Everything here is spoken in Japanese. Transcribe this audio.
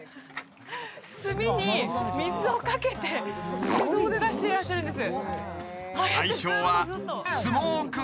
炭に水をかけて手動で出していらっしゃるんです。